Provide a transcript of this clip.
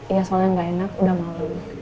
iya soalnya gak enak udah malu